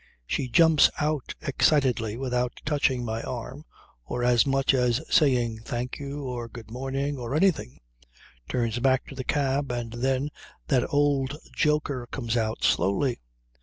She jumps out excitedly without touching my arm, or as much as saying "thank you" or "good morning" or anything, turns back to the cab, and then that old joker comes out slowly.